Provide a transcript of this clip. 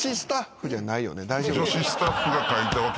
女子スタッフが書いたわけじゃない。